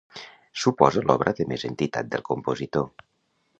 Suposa l’obra de més entitat del compositor.